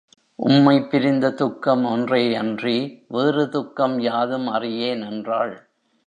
உம்மைப் பிரிந்த துக்கம் ஒன்றேயன்றி வேறு துக்கம் யாதும் அறியேன் என்றாள்.